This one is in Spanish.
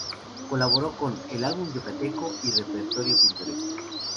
Colaboró con "El Álbum Yucateco" y "El Repertorio Pintoresco".